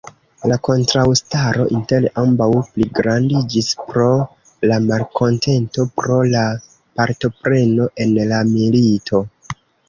La kontraŭstaro inter ambaŭ pligrandiĝis pro la malkontento pro la partopreno en la milito.